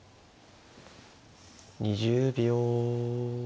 ２０秒。